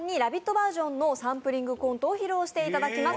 バージョンのサンプリングコントを披露していただきます。